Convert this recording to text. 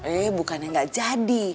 eh bukannya nggak jadi